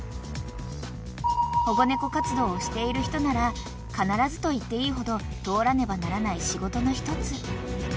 ［保護猫活動をしている人なら必ずといっていいほど通らねばならない仕事の一つ］